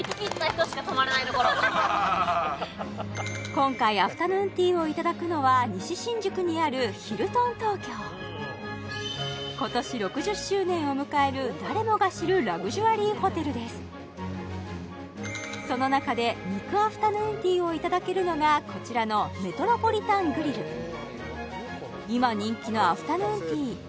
今回アフタヌーンティーをいただくのは西新宿にあるヒルトン東京今年６０周年を迎える誰もが知るその中で肉アフタヌーンティーをいただけるのがこちらの今人気のアフタヌーンティー